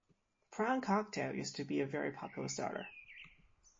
Prawn cocktail used to be a very popular starter